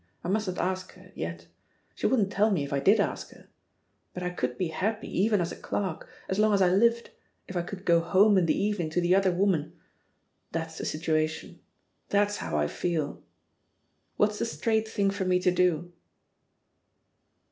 I mustn't ask her — ^yet; she wouldn't tell me if I did ask her; but I could be happy, even as a clerk, as long as I lived, if I could go home in the evening to the other woman. ••• That's the situation; that's how I feell What's the straight thing for me to do?''